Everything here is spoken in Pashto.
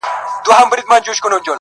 د ژوندون خواست یې کوه له ربه یاره ,